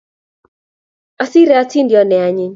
Asire atindoniot ne anyiny